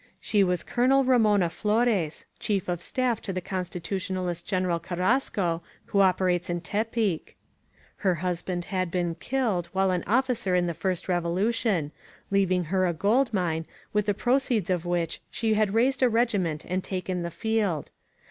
She was Colonel Ramona Flores, Chief of Staff to the Constitutionalist (Jeneral Carrasco, who operates in Tepic. Her husband had been killed while an officer in the first Revolution, leav ing her a gold mine, with the proceeds of which she had raised a regiment and taken the field.